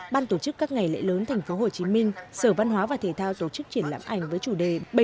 ban tổ chức các ngày lễ lớn tp hcm sở văn hóa và thể thao tổ chức triển lãm ảnh với chủ đề